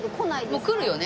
もうくるよね。